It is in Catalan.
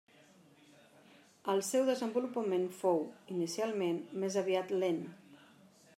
El seu desenvolupament fou, inicialment, més aviat lent.